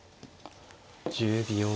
１０秒。